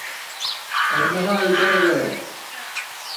Ew niha li derve ye.